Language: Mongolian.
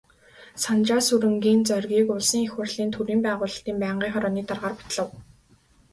Санжаасүрэнгийн Зоригийг Улсын Их Хурлын төрийн байгуулалтын байнгын хорооны даргаар батлав.